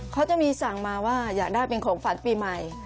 เขาจะมีสั่งมาว่าอยากได้เป็นของฝันปีใหม่